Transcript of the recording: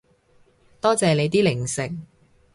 多謝你啲零食